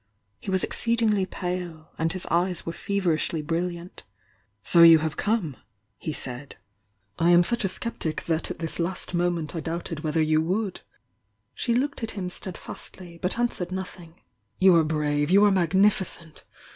He was exceedingly pale, and his eyes were feverishly brilliant. "So you have come!" he said. "I am such a sceptic that at this last moment I doubted whether yon would!" f?he looked at him steadfastly, but answered noth ing. "You are brave — you are magnificent!"